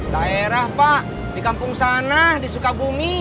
daerah pak di kampung sana di sukabumi